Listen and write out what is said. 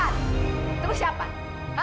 kamu berpengaruh untuk siapa